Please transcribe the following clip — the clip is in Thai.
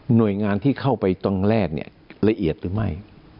หน่วยงานที่เข้าไปตรงแรกเนี่ยละเอียดหรือไม่